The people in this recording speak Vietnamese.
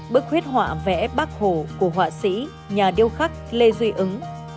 bức huyết họa vẽ bác hồ của họa sĩ nhà điêu khắc lê duy ứng